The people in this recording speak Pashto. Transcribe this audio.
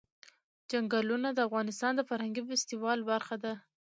چنګلونه د افغانستان د فرهنګي فستیوالونو برخه ده.